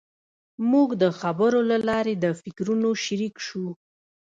موږ د خبرو له لارې د فکرونو شریک شوو.